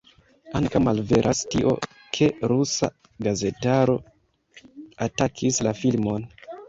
Ankaŭ malveras tio, ke rusa gazetaro atakis la filmon.